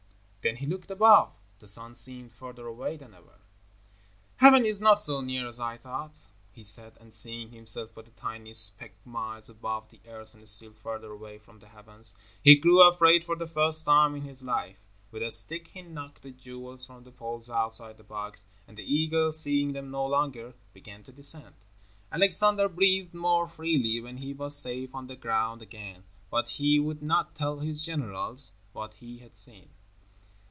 Then he looked above. The sun seemed further away than ever. "Heaven is not so near as I thought," he said, and seeing himself but a tiny speck miles above the earth and still further away from the heavens, he grew afraid for the first time in his life. With a stick he knocked the jewels from the poles outside the box, and the eagles, seeing them no longer, began to descend. Alexander breathed more freely when he was safe on the ground again, but he would not tell his generals what he had seen.